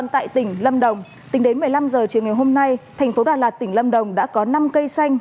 tính đến một mươi năm h chiều ngày hôm nay thành phố đà lạt tỉnh lâm đồng đã có năm cây xanh